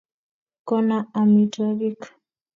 kona amitwagik